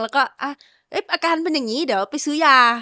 แล้วก็อาการเป็นอย่างนี้เดี๋ยวไปซื้อยา